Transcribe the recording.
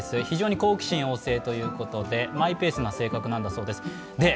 非常に好奇心旺盛ということでマイペースな性格なんだそうです。